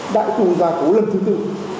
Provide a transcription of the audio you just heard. đại tu ra cố lần thứ bốn